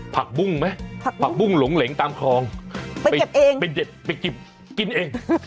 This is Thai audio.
ผักบุ้งไหมผักบุ้งหลงเหลงตามคลองไปเก็บเองไปเด็ดไปกินเอง